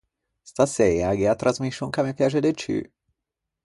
Staseia gh’é a trasmiscion ch’a me piaxe de ciù.